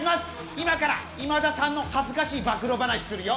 今から今田さんの恥ずかしい暴露話するよ。